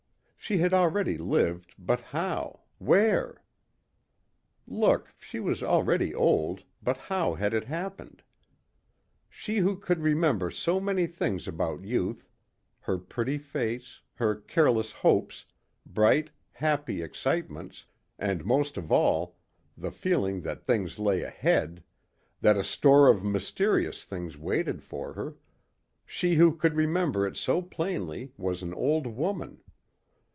She had already lived but how, where? Look, she was already old but how had it happened? She who could remember so many things about youth her pretty face, her careless hopes, bright, happy excitements; and most of all, the feeling that things lay ahead that a store of mysterious things waited for her she who could remember it so plainly was an old woman.